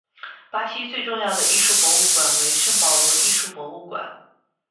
巴西最重要的艺术博物馆为圣保罗艺术博物馆。